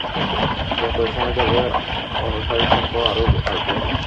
যত সময় যাবে, অনুসারীর সংখ্যা আরোও বাড়বে।